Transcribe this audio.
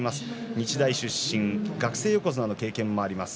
日大出身の学生横綱の経験があります。